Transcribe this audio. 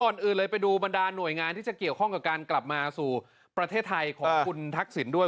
อื่นเลยไปดูบรรดาหน่วยงานที่จะเกี่ยวข้องกับการกลับมาสู่ประเทศไทยของคุณทักษิณด้วย